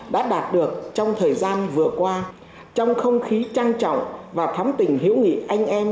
đã đạt được trong thời gian vừa qua trong không khí trang trọng và thắm tình hữu nghị anh em